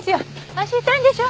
足痛いんでしょ。